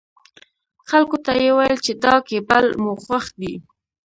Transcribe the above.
خلکو ته يې ويل چې دا کېبل مو خوښ دی.